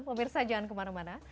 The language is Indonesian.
pemirsa jangan kemana mana